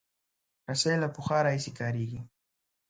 رسۍ له پخوا راهیسې کارېږي.